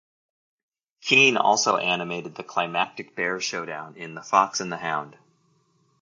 Keane also animated the climactic bear showdown in "The Fox and the Hound".